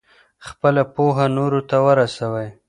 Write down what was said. خپله پوهه نورو ته ورسوئ.